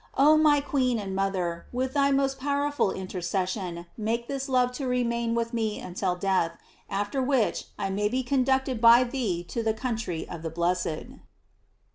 Oh my queen and mother, with thy most powerful intercession make this love to remain with me until death, after which may I be conducted by thee to the country of the blessed.